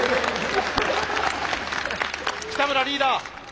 北村リーダー。